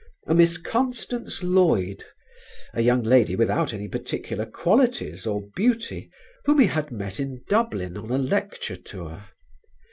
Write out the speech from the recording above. a Miss Constance Lloyd, a young lady without any particular qualities or beauty, whom he had met in Dublin on a lecture tour.